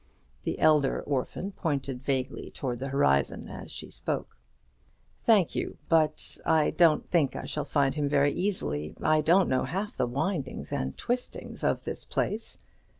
The elder orphan pointed vaguely towards the horizon as she spoke. "Thank you; but I don't think I shall find him very easily. I don't know half the windings and twistings of this place."